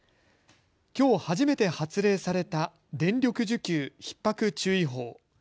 きょう初めて発令された電力需給ひっ迫注意報。